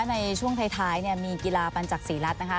ในช่วงท้ายมีกีฬาปันจากศรีรัตน์นะคะ